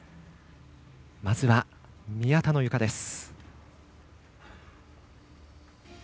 まずは宮田のゆかです。